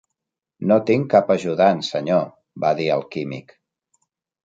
"No tinc cap ajudant, Senyor", va dir el químic.